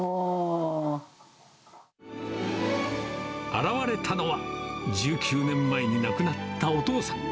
現れたのは、１９年前に亡くなったお父さん。